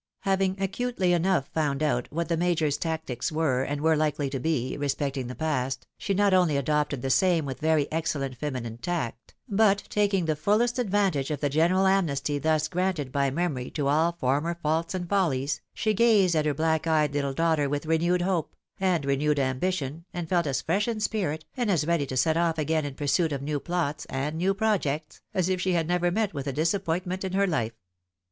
Having acutely enough found out what the Major's tactics were and were likely to be, respecting the past, she not only adopted the same with very excellent feminine tact, but taking the fullest advantage of the general amnesty thus granted by memory to all former faults and foUies, she gazed at her black eyed little daughter with renewed hope, and renewed ambition, and felt as fresh in spirit, and as ready to set off again in pursuit of new plots, and new projects, as if she had never met with a disappointment in her fife.